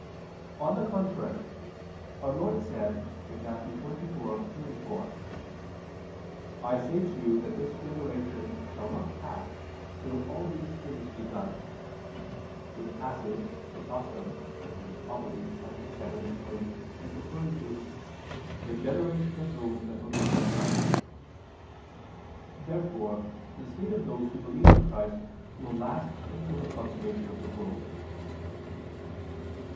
On the contrary, Our Lord said (Matt. 24:34): "I say to you that this generation shall not pass till all (these) things be done": which passage Chrysostom (Hom. lxxvii) explains as referring to "the generation of those that believe in Christ." Therefore the state of those who believe in Christ will last until the consummation of the world.